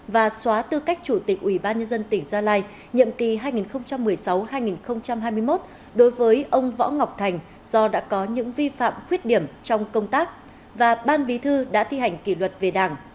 và xóa tư cách chủ tịch ủy ban nhân dân tỉnh gia lai nhiệm kỳ hai nghìn một mươi sáu hai nghìn hai mươi một đối với ông võ ngọc thành do đã có những vi phạm khuyết điểm trong công tác và ban bí thư đã thi hành kỷ luật về đảng